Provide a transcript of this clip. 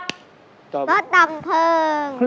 รถดับเพลิง